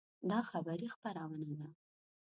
دا خبري خپرونه ده